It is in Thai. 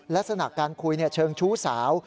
แล้วสถานการณ์คุยเชิงชู้สาว